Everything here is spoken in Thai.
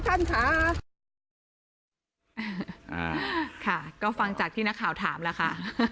ท่านค่ะก็ฟังจากที่นักข่าวถามแล้วค่ะ